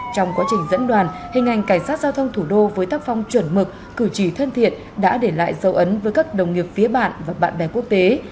trong quá trình dẫn đoàn hình ảnh cảnh sát giao thông thủ đô với tác phong chuẩn mực cử chỉ thân thiện đã để lại dấu ấn với các đồng nghiệp phía bạn và bạn bè quốc tế